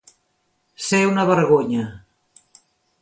Ser una vergonya.